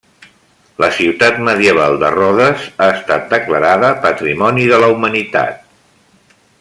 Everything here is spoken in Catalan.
La ciutat medieval de Rodes ha estat declarada Patrimoni de la Humanitat.